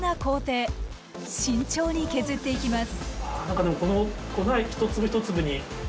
慎重に削っていきます。